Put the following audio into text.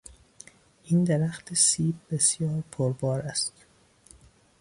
این درخت سیب بسیار پر بار است.